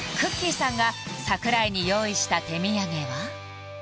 さんが櫻井に用意した手土産は？